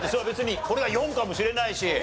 別にこれが４かもしれないし。